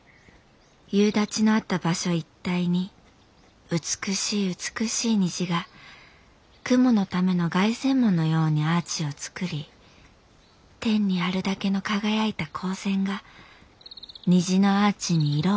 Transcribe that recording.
「夕立のあった場所一帯に美しい美しい虹が雲のための凱旋門のようにアーチを作り天にあるだけの輝いた光線が虹のアーチに色をつけました。